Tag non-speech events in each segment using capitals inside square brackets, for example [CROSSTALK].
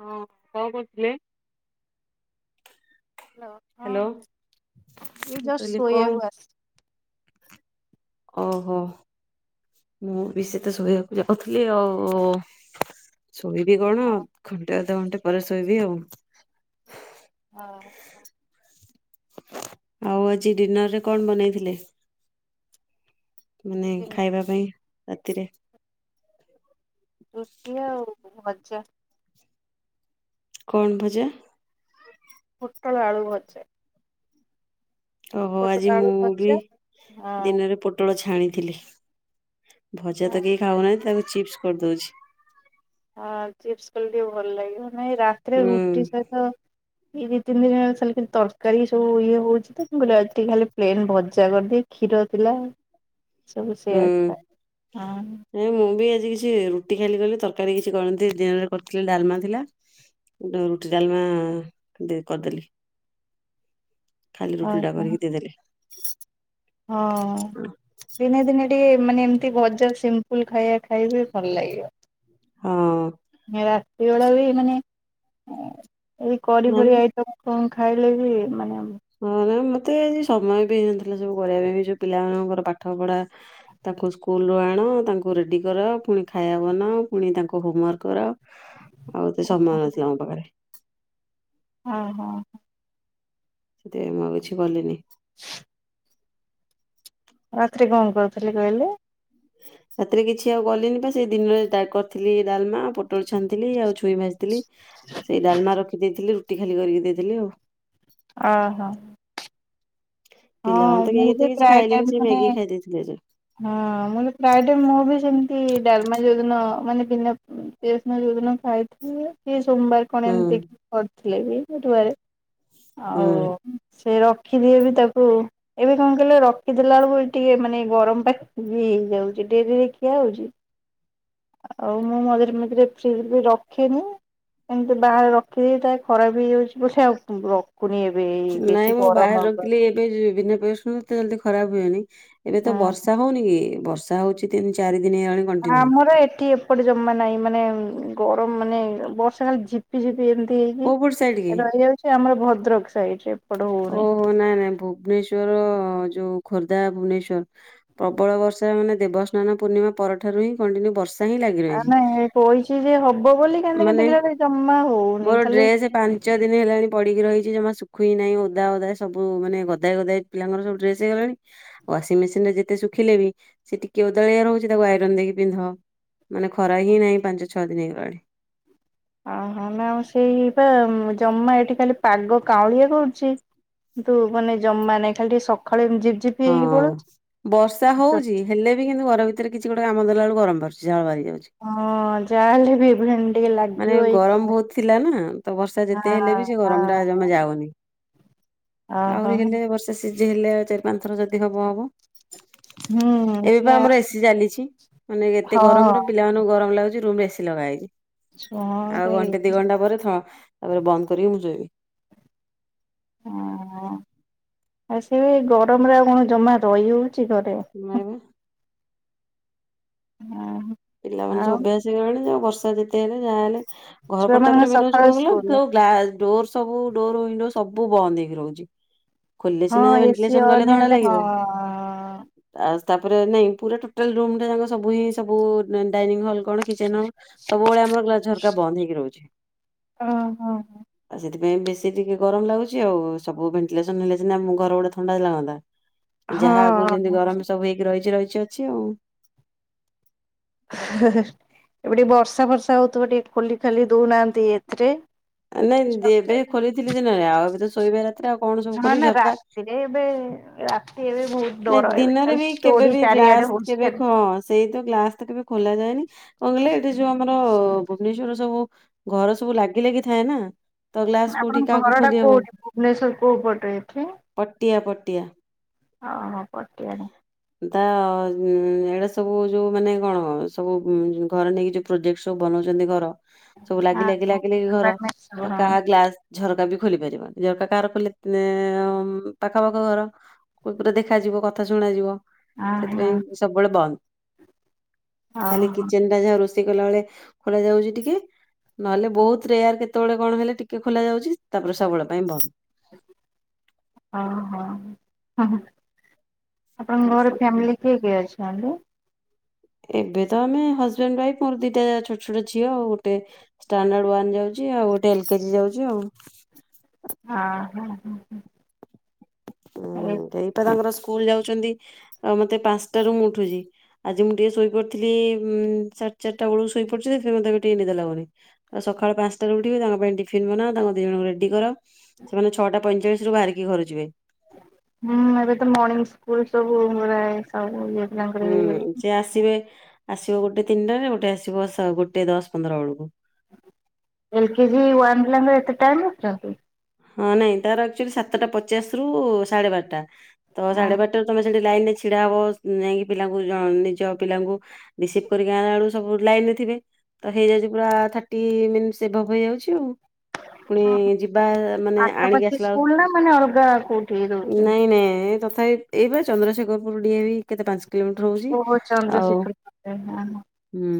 ହଁ କଣ କରୁଥିଲେ। ହ୍ୟାଲୋ ହ୍ୟାଲୋ ହଁ ଏଇ ମୁଁ ଜଷ୍ଟ କହିଲି ଶୋଇବାକୁ କଣ ଓ ହୋ। ମୁଁ ବି ସେତ ଶୋଇବାକୁ ଯାଉଥିଲି ଆଉ। ଶୋଇବି କଣ ଘଣ୍ଟେ ଅଧ ଘଣ୍ଟେ ପରେ ଶୋଇବି ଆଉ। ଆସିଛି ଆଉ ଆଜି ଡିନରରେ କଣ ବନେଇଥିଲେ। ମାନେ ହଁ। ଖାଇବା ପାଇଁ ରାତିରେ। ରୁଟି ଆଉ ଭଜା। କଣ ଭଜା। ପୋଟଳ ଆଳକୁ ଭଜା। ଓହୋ ପୋଟଳ ଆଜି ମୁଁ ଆଳୁ ବି ଭଜା ଦିନରେ ପୋଟଳ ଛା ଛାଣିଥିଲି ଭଜା ହଁ। ତ କେହି ଖାଉନାହାନ୍ତି ତାକୁ ଚିପ୍ସ କରିଦଉଛି। ହଁ ଚିପସ କଲେ ଟିକେ ଭଲ ଲାଗିବ ନାଇଁ ରାତିରେ ହୁଁ ରୁଟି ସହିତ ଏଇ ଦି ତିନି ଦିନ ହେ ତରକାରୀ ସବୁ ଇଏ ହଉଛି ତ ମୁଁ କହିଲ ଟିକେ ଖାଲି ପ୍ଲେନ ଭଜା କରିଦିଏ। କ୍ଷୀର ଥିଲା। ସବୁ ହୁଁ ସେଇଆ ଖାଏ ହଁ ଯୋଉ ମୁଁ ବି ଆଜି କିଛି ରୁଟି ଖାଲି କ ତରକାରୀ କିଛି କରନ୍ତି ଦିନରେ କରିଥିଲେ ଡାଲମା ଥିଲା। ରୁଟି ଡାଲମା କରିଦେଲି। ଖାଲି ରୁଟିଟା ଓହୋ ହଁ। କରିକି ଦେଇଦେଲି। ହଁ ଦିନେ ଦିନେ ଟେ ମାନେ ଏମିତି ଭଜା ସିମ୍ପୁଲ ଖାଇବା ଖାଇବେ ଭଲ ଲାଗିବ। ହଁ। ସେଇଭଳିଆ ବି ମାନେ ଏ କରି ମ୍ୟାମ୍ ଫରି ଆଇଟମ ଖାଇଲେ ବି ମାନେ ହଁ ରେ ମୁଁ। ମତେ ଆଜି ସମୟ ବି ହେଇନଥିଲା ସବୁ କରିବା ପାଇଁ ବି ଯୋଉ ପିଲାମାନଙ୍କର ପାଠ ପଢା ତାଙ୍କୁ ସ୍କୁଲରୁ ଆଣ। ତାଙ୍କୁ ରେଡି କରାଅ ପୁଣି ଖାଇବା ବନାଅ ପୁଣି ତାଙ୍କୁ ହୋମୱାର୍କ କରାଓ ଆଉ ମତେ ସମୟ ନଥିଲା ମୋ ପାଖରେ। ଅ ହୋ। ସେଥିପାଇଁ ମୁଁ କିଛି କଲିନି। [INAUDIBLE] ରାତିରେ କଣ କରୁଥିଲି କହିଲେ? [INAUDIBLE] ରାତିରେ କିଛି ଆଉ ଗଲିନି ବା ସେଇ ଦିନରେ କରିଥିଲି ଡାଲମା, ପୋଟଳ ଛାଣିଥିଲି ଆଉ ଛୁଇଁ ଭାଜିଥିଲି। ସେଇ ଡାଲମା ରଖି ଦେଇଥିଲି ରୁଟି ଖାଲି କରିକି ଦେଇଥିଲି ଆଉ। ଓ ହୋ। ପିଲାମାନେ ହଁ ତ କେହି ମୁଁ ଏତେ ବି କିଛି ପ୍ରାୟ ଖାଇଲେନି ଟାଇମ ସେ ମାନେ ମ୍ୟାଗି ଖାଇ ଦେଇେଇଥିଲେ ଯେ। ହଁ ମୋ ପ୍ରାୟଟ ମୁଁ ବି ସେମିତି ଡାଲମା ଯୋଉଦିନ ମାନେ ବିନା [INAUDIBLE] ସୋମବାର କଣ ହୁଁ ଏମିତି ଥିଲେ ବି [INAUDIBLE] ହୁଁ। ଆଉ ସେ ରଖିଦିଏ ବି ତାକୁ ଏବେ କଣ କହିଲେ ରଖିଦେଲା ବେଳକୁ ଟିକେ ମାନେ ଗରମ ପାଖ ବି ହେଇଯାଉଛି ଡେରିରେ ଖିଆ ହଉଚି। ଆଉ ମୁଁ [INAUDIBLE] ଫ୍ରିଜ ବି ରଖେନି। ଏମିତି ବାହାରେ ରଖିଦେଇ ଏଟଖ ଖରାପ ହେଇଯାଉଛି ବୋଲି ଆଉ ଏବେ ବେଶୀ ନାଇଁ ମୁଁ ବାହାରେ ଗରମ ହବ ରଖିଥିଲି ଏବେ ବିିନା ପିଆଜ ରସୁଣ ଏତେ ଜଲଦି ଖରାପ ହୁଏନି। ଏବେ ତ ହଁ ବର୍ଷା ହଉନି କି ବର୍ଷା ହଉଛି ତିନି ଚାରି ଦିନ ହେଇଗଲାଣି କଣ୍ଟିନ୍ୟୁ। ଆମର ଏଠି ଏପଟେ ଜମା ନାହିଁ ମାନେ ଗରମ ମାନେ ବର୍ଷା କାଲି ଝିପିଝିିପି ଏମିତି ହେଇକି କୋଉ ପଟ ସାଇଡ କି? ରହିଯାଉଛି ଆମର ଭଦ୍ରକ ସାଇଡ ରେ ଏପଟ ହଉନି ଓହୋ ନାଇଁ ନାଇଁ ଭୁବନେଶ୍ଵର ଯୋଉ ଖୋର୍ଦ୍ଧା ଭୁବନେଶ୍ଵର ପ୍ରବଳ ବର୍ଷା ମାନେ ଦେବସ୍ନାନ ପୂର୍ଣ୍ଣିମା ପରଠାରୁ ହିଁ କଣ୍ଟିନ୍ୟୁ ବର୍ଷା। ହିଁ ଲାଗି ଆ ରହିଛି। ନାଇଁ କହିଛି ଯେ ହବ ବୋଲି କେତି ମାନେ କେତି କିଲ ଜମା ହଉନି ଖାଲି ପାଞ୍ଚଦିନି ହେଲାଣି ପଡିକି ରହିଛି ଜମା ଖୁନାହିଁ ଓଦା ଓଦା ସବୁ ମାନେ ଗଦା ଗଦା ପିଲଙ୍କର ସବୁ ଡ୍ରେସ ହେଇଲାଣି ଆଉ ୱାସିଂମେସିନ ରେ ଯେତେ ରଖିଲେ ବି ସେ ଟିକେ ଓଦଳିଆ ରହୁଛି ତାକୁ ଆଇରନ୍ ଦେଇକି ପିନ୍ଧ। ମାନେ ଖରା ହିଁ ନାହିଁ ପାଞ୍ଚ ଛଅ ଦିନ ହେଇଗଲାଣି। ଅ ହୋ ନା ଆଉ ସେଇ ବା ଜମା ଏଠି ଖାଲି ପାଗ କାଉଁଳିଆ କରୁଚି। କିନ୍ତୁ ମାନେ ଜମା ନାହିଁ ଖାଲି ଟିକେ ସ ହଁ ବର୍ଷା ପଳଉଛି ହଉଛି ହେଲେ ବି କିନ୍ତୁ ଘର ଭିତ ରେ କିଛି ଗୋଟେ କାମ ଦେଲା ବେଳୁ ଗମର ବାହାରୁଛି ଝଳ ବା ହଁ ଯାହା ହେଲେ ବି ଏଇ ଭଳିଆ ଟିକେ ମାନେ ଲାଗିବ ଗରମ ବହୁତ ଥିଲା ନା ତ ବର୍ଷା ହଁ ଯେତେ ହେଲେ ବି ସେ ଗରମ ଟା ହଁ ଜମା ଯାଉନି। ଓହୋ ଆହୁରି ହେଲେ ବର୍ଷେ ସିଝେଇ ହେଲେ ଆଉ ଚାରି ପାଞ୍ଚ ଥର ଯଦି ହବ ହବ। ହୁଁ ଏବେ ସେ ଆମର ଏସିି ଚାଲିଛି ମାନେ ଏତେ ହଁ ଗରମରେ ପିଲାମାନଙ୍କୁ ଗରମ ଲାଗୁଛି ରୁମରେ ଏସି ଲଗା ହେଇଚି ଛୁଆଁ ଆଉ ସେଇ ଘଣ୍ଟେ ଦି ଘଣ୍ଟା ପରେ ତାପରେ ବନ୍ଦ କରିକି ମୁଁ ସୋଇବି। ଅ ହୋ ସେ ଗରମରେ ଆଉ କଣ ଜମା ରହିବ ସିମାଇବା। ହଁ ପିଲାମାନେ ସବୁ ଆଉ ଅଭ୍ୟାସ ହୋଇଗଲାଣି ବର୍ଷା ଯେତେ ହେଲେ ଯାହା ହେଲେ ଛୁଆ ଘରକୁ ମାନଙ୍କ ତାପରେ ମେନ ହଉଛି ସକାଳ କଣ ସ୍କୁଲ କହିଲ ଡୋର ସବୁ ଡୋର ୱିଣ୍ଡୋଜ୍ ସବୁ ବନ୍ଦ ହେଇକି ରହୁଚି। ଖୋଲେ ହଁ ସିନା ଏସି ଭେଣ୍ଟିଲେସନ କଲେ ଅନ୍ ଥଣ୍ଡା ହେଲେ ହଁ ଲାଗିବ। ତ ତାପରେ ନାଇଁ ପୁରା ଟୋଟାଲ୍ ରୁମ୍ ଟା ଯାକ ସବୁ ହିଁ ସବୁ ଡାଇନିଙ୍ଗ ହଲ୍ କଣ କିଚେନ୍ ହଲ୍ ସବୁବେଳେ ଆମର ଗ୍ଲାସ ଝରକା ବନ୍ଦ ହେଇକି ରହୁଛି। ହ ହଁ ହ। ଏଥିପାଇଁ ବେଶୀ ଟିକେ ଗରମ ଲାଗୁଛି ଆଉ ସବୁ ଭେଣ୍ଟିଲେସନ ହେଲେ ସିନା ଘର ଗୁଡ଼ା ଥଣ୍ଡା ଲାଗନ୍ତା। ହଁ ଯାହା ଆଗରୁ ଯେମିତି ଗରମ ସବୁ ହେଇକି ରହିଛି ରହିଛି ଅଛି ଆଉ। ଏବେ ଟିକେ ବର୍ଷା ଫର୍ଷା ହଉଥିବ ଟିକେ ଖୋଲି ଖାଲି ଦଉନାହାନ୍ତି ଏଥିରେ ହଁ। ନାଇଁ ଦି ଝରକା ଏବେ ଖୋଲିଥିଲି ଦିନରେ ଆଉ ଏବେ ତ ଶୋଇବା ରାତିରେ ଆଉ କଣ ସବୁ ହଁ ଖୋଲିିବି ନା ଝରକା ରାତିରେ ଏବେ ରାତି ଏବେ ବହୁତ ନାଇଁ ଡର ଏବେ ଦିନରେ ଖାଲି ବି କେବେ ଚୋରି ବି ଚାରିଆଡେ ଗ୍ଲାସ୍ ହଉଛି କେବେ ଖାଲି। ହ ସେଇ ଗ୍ଲାସ ତ କେବେ ଖୋଲା ଯାଏନି କଣ କହିଲେ ଏଠି ଯୋଉ ଆମର ଭୁବନେଶ୍ୱର ସବୁ ଘର ସବୁ ଲାଗି ଲାଗି ଥାଏ ନା ତ ଗ୍ଲାସ କୋଉଠି ଆପଣଙ୍କ କାହାକୁ ଘର ଟା ଖୋଲି ହବ। କୋଉଠି ଭୁବନେଶ୍ଵର କୋଉ ପଟେ ପଟିଆ ପଟିଆ ଅହ ପଟିଆରେ ତା ଉ ଏଇଡା ସବୁ ଯୋଉ ମାନେ କଣ ସବୁ ଘରେ ନେଇକି ଯୋଉ ପ୍ରୋଜେକ୍ଟ ସବୁ ବନଉ ବନଉଛନ୍ତି ଘର ସବୁ ଲାଗି ହଁ ଲାଗି ହଁ ଲାଗି ଲାଗି ଘର ଆପାର୍ଟମେଣ୍ଟ ସବୁ ତ ହଁ କାହା ଗ୍ଲାସ ଝରକା ବି ଖୋଲି ପାରିବନି। ଝରକା କାହାର ଖୋଲି ପାଖପାଖି ଘର ପୁରା ଦେଖାଯିବ କଥା କଥା ଶୁଣାଯିବ ହଁ ହଁ। ସେଥିପାଇଁ ସବୁବେଳେ ବନ୍ଦ ଖାଲି ଓହୋ କିଚେନା ଯାହା ରୋଷେଇ ରୋଷେଇ କଲା ବେଳେ ଖୋଲା ଯାଉଛି ଟିକେ ନହେଲେ ବହୁତ ରେୟାର କେତେବେଳେ କଣ ହେଲେ ଟିକେ ଖୋଲା ଯାଉଛି। ତାପରେ ସବୁବେଳ ପାଇଁ ବନ୍ଦ। ଓହୋ। ହଁ ଆପଣଙ୍କ ଘର ଫେମିିଲି କିଏ କିଏ ଅଛନ୍ତି? ଏବେ ତ ଆମେ ହଜବେଣ୍ଡ ୱାଇଫ୍ ମୋର ଦିଟା ଛୋଟ ଛୋଟ ଝିଅ ଆଉ ଗୋଟେ ଷ୍ଟାନଡ଼ାଡ୍ ୱାନ ରେ ଯାଉଛି। ଆଉ ଗୋଟେ ଏଲ୍ କେଜି ଯାଉଛି ଆଉ। ହଁ ହଁ ହଁ ହ। ହୁଁ ଏଇଟା ତାଙ୍କର ଷ୍କୁ ସ୍କୁଲ ଯାଉଛନ୍ତି ଆ ମତେ ପାଞ୍ଚଟାରୁ ମୁଁ ଉଠୁଛି ଆଜି ମୁଁ ଟିକେ ଶୋଇପଡିଥିଲି ସାଢ଼େ ସାଢ଼େ ଚାରିଟା ବେଳକୁ ଶୋଇପଡୁଛି ଯେ ସେଥିପାଇଁ ମତେ ଟିକେ ନିଦ ଲାଗୁନି। ତ ସକାଳ ପାଞ୍ଚଟାରୁ ଉଠିବି ତାଙ୍କ ପାଇଁ ଟିଫନ୍ ବନା ତାଙ୍କ ବ୍ୟାଗ୍ ତାଙ୍କୁ ରେଡି କର ସେମାନେ ଛଅଟା ପଇଁଚାଳିଶ ରୁ ବାହାରିକି ଘରୁ ଯିବେ। ହୁଁ ଏବେ ତ ମର୍ଣିଙ୍ଗ ସ୍କୁଲ ସବୁ ରା ସବୁ ଇ ହୁଁ ସେ ଆସିବେ ଆସିବ ଗୋଟେ ତିନିଟାରେ ଗୋଟେ ଆସିବ ଗୋଟେ ଦଶ ପନ୍ଦର ବେଳକୁ। ଏଲ କେଜି ୱାନ୍ ପିଲାଙ୍କ ଏତେ ଟାଇମ୍ ନଉଛନ୍ତି। ହଁ ନାଇଁ ତାର ଆକ୍ଚୁଆଲି ସାତଟା ପଚାଶ ରୁ ସାଢ଼େ ବାରଟା ତ ହଁ ସାଢ଼େ ବାରଟାରୁ ତମେ ସେଠି ଲାଇନ୍ ରେ ଛିଡ଼ା ହବ ଯାଇକି ପିଲାଙ୍କୁ ନିଜ ପିଲାଙ୍କୁ ରିସିଭ୍ କରିକି ଆଣିବା ବେଳକୁ ସବୁ ଲାଇନ ରେ ଥିବ ସେଥିରେ ହେଇଯାଉଛି ପୁରା ଥାର୍ଟି ମିନିଟ୍ ଏଭବ୍ ହେଇଯାଉଛି ଆଉ। ପୁଣି ଯିବା ମାନେ ଆଣିକି ପାଖାପାଖି ଆସିଲା ବେଳକୁ ସ୍କୁଲ ନା ମାନେ ଅଲଗା କଉଠି ଦଉଛନ୍ତି? ଏ ତଥାପି ଏଇ ବା ଚନ୍ଦ୍ରଶେଖର ପୁର ଡିଏ ବି କେତେ ପାଞ୍ଚ କିଲୋମିଟର ହଉଛି ଓହୋ ଆଉ ଚନ୍ଦ୍ରଶେଖର ହଁ ହୁଁ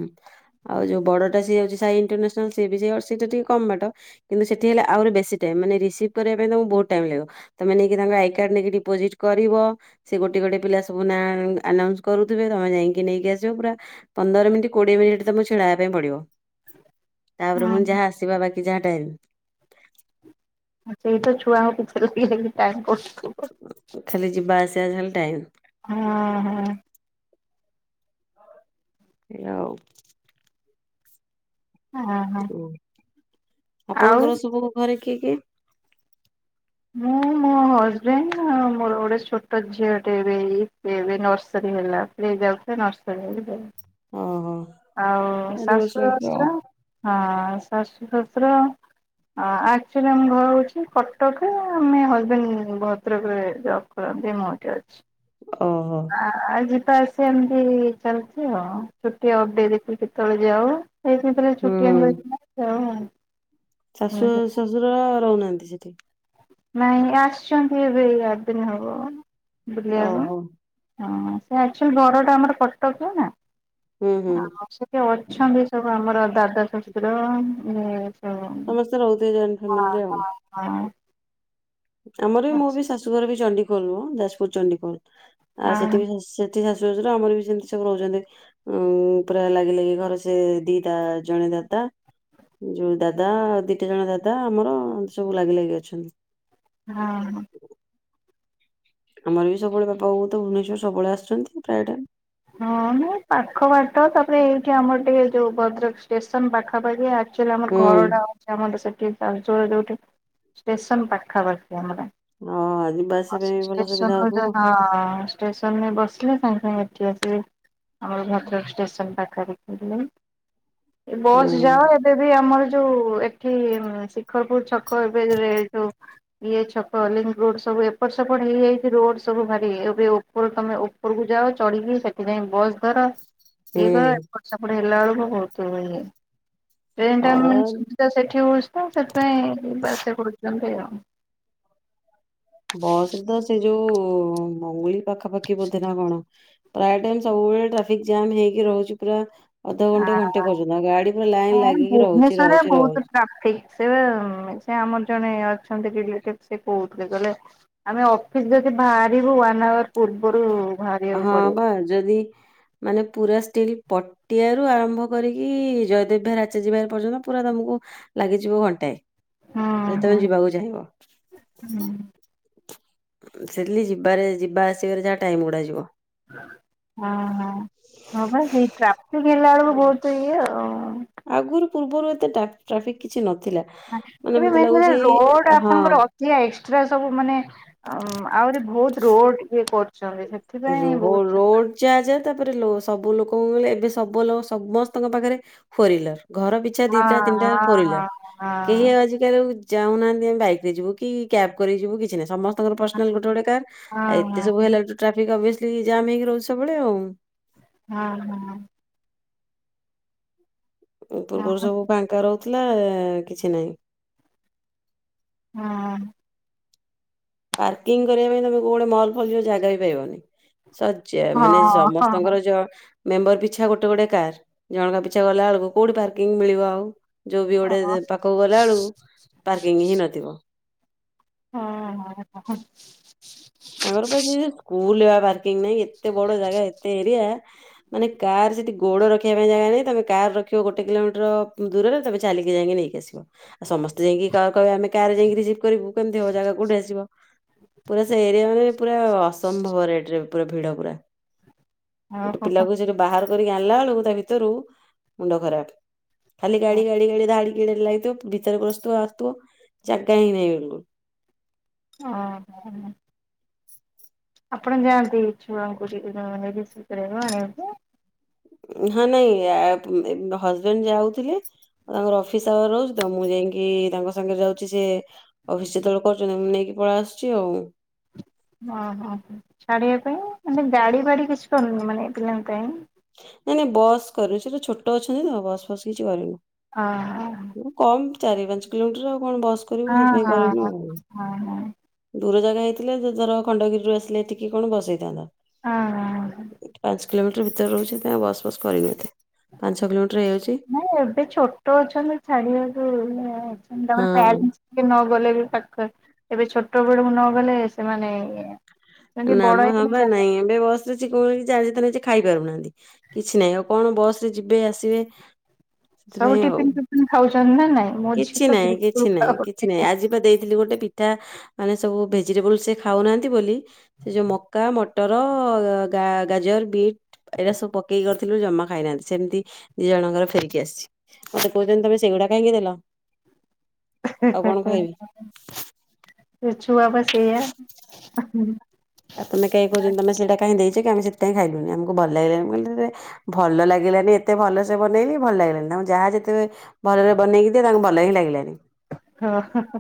ଆଉ ଯୋଉ ବଡ଼ଟା ସିଏ ଯାଉଛି ସାଇ ଇଣ୍ଟରନ୍ୟାସନାଲ ସ ସେ ବି ସେ ସେଟା ଟିକେ କମ୍ ବାଟ କିନ୍ତୁ ସେଠି ହେଲେ ଆହୁରି ବେଶୀ ଟାଇମ୍ ମାନେ ରିସିଭ୍ କରିବା ପାଇଁ ତମକୁ ବହୁତ୍ ଟାଇମ୍ ଲାଗିବ। ତମେ ନେଇକି ତାଙ୍କ ଆଇ କାର୍ଡ ନେଇକି ଡିପୋଜିଟ୍ କରିବ ସେ ଗୋଟେ ଗୋଟେ ପିଲା ସବୁ ଆନାଉନ୍ସ କରୁଥିବେ ତମେ ଯାଇକି ନେଇକି ଆସିବ ପୁରା ପନ୍ଦର ମିନିଟ୍ କୋଡ଼ିଏ ମିନିଟ୍ ତମକୁ ତମକୁ ଛିଡ଼ା ହେବାପାଇଁ ପଡ଼ିବ। ତାପରେ ହଁ। ଫୁଣି ଯାହା ଆସିବା ବାକି ଯାହା ଟାଇମ ସେଇତ ଛୁଆଙ୍କ ପଛରେ ହିଁ ଟାଇମ୍ କଟି ଖାଲି ଯିବା ଆସିବା ଯାହା ଖାଲି ଟାଇମ୍ ହଁ ହଁ। ଆଉ। ଓହୋ ହ ଆଉ ଆପଣଙ୍କର ସବୁ ଘରେ କିଏ କିଏ? ମୁଁ ମୋ ହଜବେଣ୍ଡ ଆଉ ମୋର ଗୋଟେ ଛୋଟ ଝିଅ ଟେ ଏବେ ଏଇ ପ୍ଲେ ନର୍ସରୀ ହେଲା ପ୍ଲେ ଯାଉଥିଲା ନର୍ସରୀ ହେଇ ଓହୋ ଆଉ ଚାରି ବର୍ଷ ଶାଶୁ ହେବେ ଆଉ ଶଶୁର ହଁ ଶାଶୁ ଶଶୁର। ଆକ୍ଆଚୁଲି ଆମ ଘର ହଉଛି କଟକ, ଆମେ ହଜବେଣ୍ଡ ଭଦ୍ରକରେ ଜବ୍ କର [UNINTELLIGIBLE] ମୁଁ ଏଠି ଅଛି। ଓହୋ ଆ- ଆ - ଆ। ତାର ସେମିତି ଚାଲିଛି ଆଉ, ଛୁଟି ଆଉ [UNINTELLIGIBLE] ଦେଖିଲେ କେତେବେଳେ ଯାଉ। ଏଇି ଭିତରେ ଛୁଟି ହୁଁ ଆଣି [UNINTELLIGIBLE] ଯାଉ ଆଉ। ଶାଶୁ ଶଶୁର ରହୁନାହାନ୍ତି ସେଠି? ନାଇଁ ଆସିଛନ୍ତି ଏବେ ଏଇ ଆଠ ଦିନ ହବ, ବୁଲିବାକୁ। ଓହୋ ହଁ ସେ ଆକ୍ଚୁଆଲି ଘରଟା ଆମର କଟକ ନା। ହୁଁ ହୁଁ ଆଉ ସେଠି ଅଛନ୍ତି ସବୁ ଆମର, ଦାଦା ଶଶୁର ଉଁ ସମସ୍ତେ ରହୁଥିବେ ଜଏଣ୍ଟ ଫ୍ୟାମିଲରେ ଆଉ। ହଁ ଆମର ବି, ମୋ ବି ଶାଶୁଘର ବି ଚଣ୍ଡିଖୋଲ ମ ଯାଜପୁର ଚଣ୍ଡିଖୋଲ। ଆଉ ସେଠି ହଁ। ବି ସେ ଏଠି ଶାଶୁ ଶ୍ୱଶୁର ଆମର ବି ସେମିତି ସବୁ ରହୁଛନ୍ତି। ଉଁ ପୁରା ଲାଗି ଲାଗି ଘରେ ସେ ଦିଟା ଜଣେ ଦାଦା ଯୋଉ ଦାଦା ଦିଟା ଜଣ ଦାଦା, ଆମର ଏମିତି ସବୁ ଲାଗି ଲାଗି ଅଛନ୍ତି। ହଁ- ହଁ। ଆମର ବି ସବୁବେଳେ ବାପା ବୋଉ ତ ଭୁବନେଶ୍ୱର ସବୁବେଳେ ଆସୁଛନ୍ତି, ପ୍ରାୟ ଟାଇମ୍। ହଁ ବହୁତ ପାଖ ବାଟ, ତାପରେ ଏଇଠି ଆମର ଟିକେ ଯୋଉ ଭଦ୍ରକ ଷ୍ଟେସନ ପାଖାପାଖି ଆ ଆକ୍ଚୁଆଲି ଆମର ହୁଁ ଘରଟା ହଉଛି, ଆମର ସେଠି ତାଳଚେର ଯୋଉଠି ଷ୍ଟେସନ ପାଖାପା ଧାମରା ହଁ ଯିବା ଆସିବା ପାଇଁ ଭଲ ଷ୍ଟେସନ ସୁବିଧା ରୁ ହଉଥିବ ଯୋଉ ଦିନ ଷ୍ଟେସନ୍ ରେ ବସି ରଖିବେ ସାଙ୍ଗେ ସାଙ୍ଗେ ଏଠି ଆସିବେ, ଆମର ଭଦ୍ରକ ଷ୍ଟେସନ ପାଖପାଖି ହେଲେ। ଏ ବସ୍ ହୁଁ ଯାଅ, ଏବେ ବି ଆମର ଯୋଉ ଏଠି ଖରପୁର ଛକ୍ ଏବେ। [UNINTELLIGIBLE] ଇଏ ଛକ ଲିଙ୍କ ରୋଡ ସବୁ ଏପଟ ସେପଟ ହେଇଯାଇଛି, ରୋଡ ସବୁ ଭାରି ଏବେ ଉପର ତମେ ଉପରକୁୁ ଯାଉଛ ଚଢିକି ସେଥିପାଇଁ ବସ୍ ଧର ହୁଁ। ଇଏ କର ଏପଟ ସେପଟ ହେଲା ବେଳକୁ ବହୁତ ଟ୍ରେନ ଟା ମାନେ ହଁ ସୁବିଧା ସେଇଠି ହେଉଛି ତ, ସେଥିପାଇଁ ଯିବା ଆସିବା କରୁଛନ୍ତି ଆଉ। ବସ ତ, ସେ ଯୋଉ ମଙ୍ଗୁଳି ପାଖାପାଖି ବୋଧେ ନା କଣ? ପ୍ରାୟ ଟାଇମ୍ ସବୁବେଳେ ଟ୍ରାଫିକ୍ ଜାମ୍ ହେଇକି ରହୁଛି ପୁରା। ଆ ଅଧଘଣ୍ଟେ ଘଣ୍ଟେ ପର୍ଯ୍ୟନ୍ତ ଗାଡି ପୁରା ଲାଇନ ଲାଗିକି ରହୁଛି ଭୁବନେଶ୍ଵରରେ ରହୁଛି ବହୁତ ରହୁଛି ଟ୍ରାଫିକ, ସେ ସେ ଆମ ଜଣେ ଅଛନ୍ତି ରିଲେଟିଭ ସେ କହୁଥିଲେ, କହିଲେ ଆମେ ଅଫିସ ଯଦି ବାହାରିବୁ ୱାନ୍ ହାୱାର ପୂ ପୂର୍ବରୁ ବାହାରିବାକୁ ହଁ ପଡିବ। ବା ଯଦି ମାନେ ପୁରା ଷ୍ଟିଲ୍ ପଟିଆରୁ ଆରମ୍ଭ କରିକି ଜୟଦେବ ବିହାର, ଆଚାର୍ଯ୍ୟ ବିହାର ପର୍ଯ୍ୟନ୍ତ ପୁରା ତମକୁ ଲାଗିଯିବ ଘଣ୍ଟାଏ। ହୁଁ ଯଦି ତମେ ହୁଁ ଯିବାକୁ ଚାହିଁବ? ହୁଁ [UNINTELLIGIBLE] ଯିବାରେ ଯିବା ଆସିବାରେ ଯାହା ଟାଇମ ଗୁଡା ଯିବ। ହଁ - ହଁ - ହଁ ବା ସେଇ ଟ୍ରାଫିକ ହେଲା ବେଳକୁ ବହୁତ ଇଏ ଆଉ। ଆଗରୁ ପୂର୍ବରୁ ଏତ ଟ୍ରା ଟ୍ରାଫିକ କିଛି ନ ମାନେ ଏବେ ମେନ୍ କରି ରୋଡ ହଁ ଆପଣଙ୍କର ଅଧିକା, ଏକ୍ସଟ୍ରା ସବୁ ମାନେ ଆହୁରି ବହୁତ ରୋଡ ହେଇ ପ ରୋ ରୋଡ ଜା ଜା ତାପରେ ଲୋ ସବୁ ଲୋକଙ୍କ କହିଲେ, ଏବେ ସବୁ ଲୋକ ସମସ୍ତଙ୍କ ପାଖରେ ଫୋରହ୍ୱିଲର। ଘର ପିଛା ହଁ ଦିଟା ତିନିଟା ଫୋର ହ୍ୱିଲର, ହଁ କେହି ଆଉ ଆଜିିକାଲି ଚାହୁଁନାହାନ୍ତି ଆମେ ବାଇକରେ ଯିବୁ କି, କ୍ୟାବ କରିକି ଯିବୁ କିଛି ନାହିଁ। ସମ ସ୍ତଙ୍କର ପର୍ସନାଲ ଗୋଟେ ଗୋଟେ କାର୍। ହଁ ଆ ଏତ ସବୁ ହଁ ହେଲା ଭି [UNINTELLIGIBLE] ଓଭିଅସଲି ଯାମ୍ ହେଇକି ରହୁଛି ସବୁବେଳେ ଆଉ। ହଁ- ହଁ। ହଁ ପୂର୍ବରୁ ହଁ ସବୁ ଫାଙ୍କା ରହୁଥିଲା କିଛି ନାହିଁ। ହଁ। ପାର୍କିଂ କରିବା ପାଇଁ, ତମକୁ କୋଉ ଗୋଟେ ମଲ୍ ଫଲ ଯିବ ଜାଗା ବି ପାଇବନି। ଶଜ ହଁ ମାନେ ହଁ ସମସ୍ତଙ୍କର ହଁ ଯାହା ମେମ୍ବର ପିଛା ଗୋଟେ ଗୋଟେ କାର୍। ଜଣଙ୍କ ପିଛା ଗଲା ବେଳକୁ କୋଉଠି ପାର୍କିଂ ମିଳିବ ଆଉ। ଯୋଉ ବି ଗୋଟେ ହଁ ପାଖକୁ ଗଲା ବେଳକୁ ପାର୍କିଂ ହିଁ ନଥିବ। ହଁ ହଁ ହଁ। ନାଇଁ ଏତେ ବଡ ଜାଗା ଏତେ ଏରିଆ। ମାନେ କାର ସେଠି ଗୋଡ ରଖିବା ପାଇଁ ଜାଗା ନାଇଁ। ତମେ କାର ରଖିବ ଗୋଟେ କିଲୋମିଟର ଦୂରରେ ତମେ ଚାଲି ଯାଇକି ନେଇକି ଆସିିବ। ଆଉ ସମସ୍ତେ ଯାଇକି କହେ ଆମେ କା ଯାଇକି ରିସିଭ କରିବୁ। କେମିତି ହବ ଜାଗା କୋଉଠି ଆସିବ। ପୁରା ସେ ଏରିଆ ମାନେ ପୁରା ଅସମ୍ଭବ ରେଟ୍ ରେ ପୁରା ଭିଡ ପୁରା। ଗୋଟେ ଓହୋ ପିଲାକୁ ସେଠୁ ବାହାର କରିକି ଆଣିଲା ବେଳକୁ ତା ଭିତରୁ ମୁଣ୍ଡ ଖରାପ। ଖାଲି ଗାଡି ଗାଡି ଗାଡି ଧାଡି ଲାଗିଥିବ ଭିତରେ ଗସ୍ତୁ ଆସୁଥିବ ଜାଗା ହିଁ ନାହିଁ। [UNINTELLIGIBLE] ହଁ ହଁ। ଆପଣ ଯାଆନ୍ତି ଛୁଆଙ୍କୁ ରିସିଭ କରିବାକୁ ଆଣିବାକୁ। ହଁ ନାଇଁ ହଜବେଣ୍ଡ ଯାଉଥିଲେ। ଆଉ ତାଙ୍କର ଅଫିସ୍ ଆୱାର ରହୁଛି ତ ମୁଁ ଯାଇକି ତାଙ୍କ ସାଙ୍ଗରେ ଯାଉଛି। ସେ ଅଫିସ ଯେତେବେଳେ କରୁଛନ୍ତି ମୁଁ ନେଇକି କି ପଳ ଆସୁଛି ଆଉ। ଓହୋ ଛାଡିବା ପାଇଁ। ମାନେ ଗାଡି ଫାଡି କିଛି କରୁୁନି ମାନେ ପିଲାଙ୍କ ପାଇଁ। ନାଇଁ ନାଇଁ ବସ୍ କରିନୁ। ସେଟା ଛୋଟ ଅଛନ୍ତି ତ ବସ୍ ଫସ୍ କିଛି କରିନୁ। ଅ ହ। କମ ଚାରି ପାଞ୍ଚ କିଲୋମିଟର ଆଉ କଣ ବସ କରିବୁ। ସେଥିପାଇଁ କରିନୁ ହଁ ଆଉ। ହଁ ହଁ ଦୂର ଜାଗା ହେଇଥିଲେ ଧର ଖଣ୍ଡଗିରିରୁ ଆସିଲେ ଟିକି କଣ ବସ ହୋଇଥାନ୍ତା। ହଁ। କିଲୋମିଟର ଭିତରେ ରହୁଛି। ବସ ବସ୍ କରିକି ଏତେ ପାଞ୍ଚ ଛଅ କିଲୋମିଟର ହେଇଯାଉଛି। ନ ଏବେ ଛୋଟ ଅଛନ୍ତି। ଛାଡିବାକୁ ହଁ [UNINTELLIGIBLE] ଗଲେ ବି ପାଖରେ ଏବେ ଛୋଟ ବଳକୁ ନ ଗଲେ। ସେମାନେ ମାନେ ଟିକେ ବଡ ନାମ ଆ ହବ ହେଇଗଲେ ନାଇଁ ଏବେ ବସ ରେଛି [UNINTELLIGIBLE] ଖାଇ ପାରୁନାହାନ୍ତି। କିଛି ନାହିଁ ଆଉ କଣ ବସ ରେ ଯିବେ ଆସିବେ। ସବୁ ସେଥିପାଇଁ ଆଉ। ଟିଫିନ୍ ଫିପିନ୍ ଖାଉଛନ୍ତି ନା ନାଇଁ। ମୋ ଝିଅ କିଛି ତ ନାଇଁ ବିଲକୁଲ କିଛି ନାଇଁ କିଛି ଖାଉନି। ନାଇଁ ଆଜି ବା ଦେଇଥିଲି ଗୋଟେ ପିଠା ମାନେ ସବୁ ଭେ ଭେଜିଟେବଲ୍ ସେ ଖାଉନାହାନ୍ତି ବୋଲି ସେ ଯେଉଁ ମକା ମଟର ଗା ଗାଜର ବିଟ୍ ଏଇଟା ସବୁ ପକେଇ କର ଜମା ଖାଇନାହାନ୍ତି ସେମିତି ଦି ଜଣଙ୍କର ଫେରିକି ଆସିଛି। ମତେ କହୁଛନ୍ତି ତମେ ସେଇଗୁଡା କାହିଁକି ଦେଲ? ଆଉ କଣ କହିବି। ଦେ ଛୁଆ ବା ସେଇଆ। ଆଉ ତମେ କେହି କହୁଛନ୍ତି। ତମେ ସେଇଟା କାଇଁ ଦେଇ ଆମେ ସେଥିପାଇଁ ଖାଇଲୁନି। ଆମକୁ ଭଲ ଲାଗିଲାନି କହିଲ ଭଲ ଲାଗିଲାନି ଏତ ଭଲ ସେ ବନେଇଲେ ଭଲ ଲାଗିଲାନି। ଆ ଯାହା ଯେତେବେଳେ ଭଲରେ ବନେଇକି ଦିଏ ତାଙ୍କୁ ଭଲ ହିଁ ଲାଗିଲାଣି। ହଁ ହଁ।